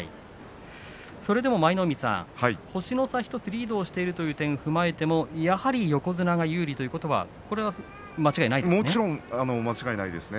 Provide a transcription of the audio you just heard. それでも舞の海さん星１つリードしているという点を踏まえてもやはり横綱が有利ということは間違いないですね。